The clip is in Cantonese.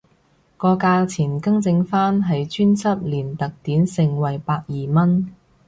個價錢更正返係專輯連特典盛惠百二蚊